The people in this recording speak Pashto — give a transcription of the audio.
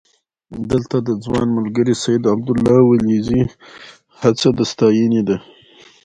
دلته د ځوان ملګري سید عبدالله ولیزي هڅه د ستاینې ده.